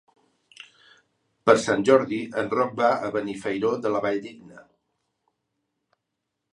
Per Sant Jordi en Roc va a Benifairó de la Valldigna.